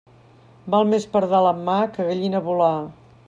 Val més pardal en mà que gallina volar.